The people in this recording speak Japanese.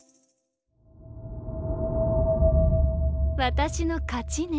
私の勝ちね。